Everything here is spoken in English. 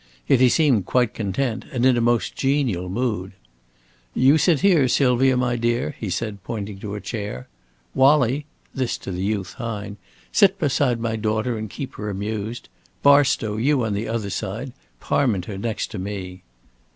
Yet he seemed quite content, and in a most genial mood. "You sit here, Sylvia, my dear," he said, pointing to a chair. "Wallie" this to the youth Hine "sit beside my daughter and keep her amused. Barstow, you on the other side; Parminter next to me."